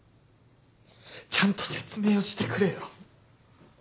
ちゃんと説明をしてくれよ。